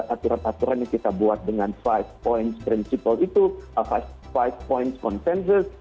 aturan aturan yang kita buat dengan five points principle itu five points consensus